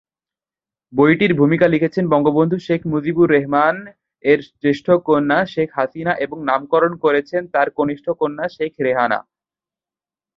বইটির ভূমিকা লিখেছেন বঙ্গবন্ধু শেখ মুজিবুর রহমানের জ্যেষ্ঠ কন্যা শেখ হাসিনা এবং নামকরণ করেছেন তাঁর কনিষ্ঠ কন্যা শেখ রেহানা।